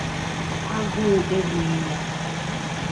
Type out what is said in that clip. Agụụ egbughị ya